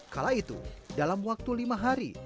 kala itu dalam waktu lima hari